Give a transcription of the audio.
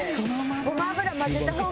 ごま油混ぜた方が。